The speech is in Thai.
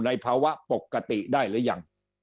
ในภาวะปกติได้หรือยัง